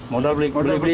modal berapa beli kabel itu